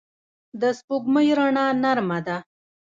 د سپوږمۍ رڼا نرمه ده